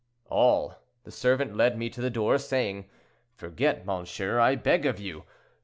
"All; the servant led me to the door, saying, 'Forget, monsieur, I beg of you.'